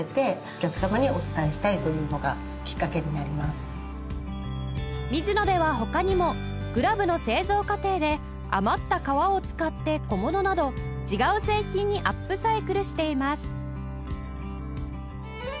浅野さんのミズノでは他にもグラブの製造過程で余った革を使って小物など違う製品にアップサイクルしています